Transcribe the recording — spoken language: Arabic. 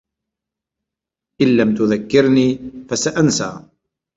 إن لم تذكّرني، فسأنسى.